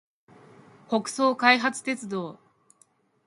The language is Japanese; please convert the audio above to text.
北総開発鉄道